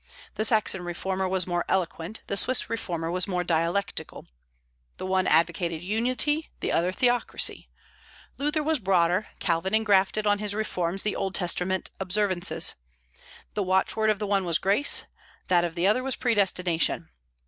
The Saxon reformer was more eloquent; the Swiss reformer was more dialectical. The one advocated unity; the other theocracy. Luther was broader; Calvin engrafted on his reforms the Old Testament observances. The watchword of the one was Grace; that of the other was Predestination.